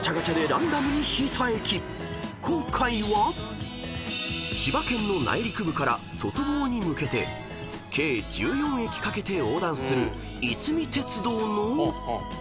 ［今回は千葉県の内陸部から外房に向けて計１４駅かけて横断する］